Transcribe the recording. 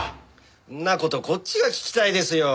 んな事こっちが聞きたいですよ。